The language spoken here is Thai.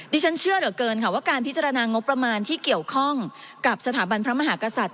ดิฉันเชื่อเหลือเกินค่ะว่าการพิจารณางบประมาณที่เกี่ยวข้องกับสถาบันพระมหากษัตริย